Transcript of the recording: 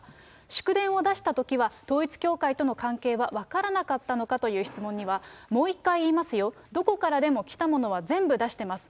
祝電を出したときは統一教会との関係は分からなかったのかというどこからでも来たものは全部出してます。